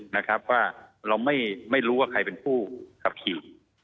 นะครับว่าเราไม่รู้ว่าใครเป็นผู้ขับขี่